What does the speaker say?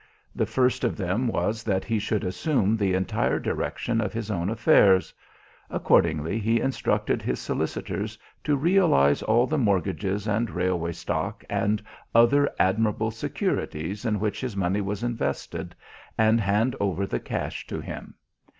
The first of them was that he should assume the entire direction of his own affairs. Accordingly he instructed his solicitors to realise all the mortgages and railway stock and other admirable securities in which his money was invested and hand over the cash to him.